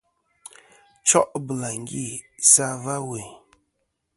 Cho' bɨlàŋgi sɨ a va ɨwùyn.